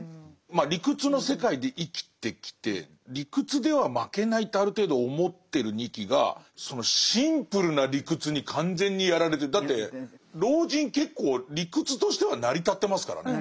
まあ理屈の世界で生きてきて理屈では負けないってある程度思ってる仁木がそのだって老人結構理屈としては成り立ってますからね。